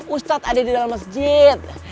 ustadz ada di dalam masjid